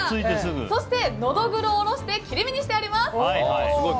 そしてノドグロを下ろして切り身にしてあります！